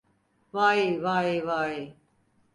Vay, vay, vay.